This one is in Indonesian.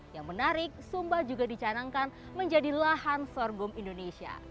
yang menarik sumba juga dicanangkan menjadi lahan sorghum indonesia